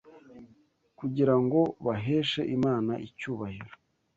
kugira ngo baheshe Imana icyubahiro